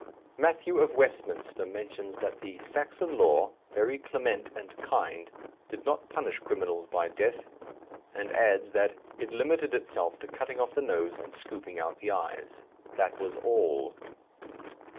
Matthew of Westminster mentions that the "Saxon law, very clement and kind," did not punish criminals by death; and adds that "it limited itself to cutting off the nose and scooping out the eyes." That was all!